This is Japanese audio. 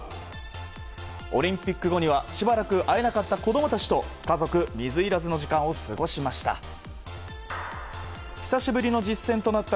オリンピック後にはしばらく会えなかった子供たちと家族水入らずの時間を過ごしました。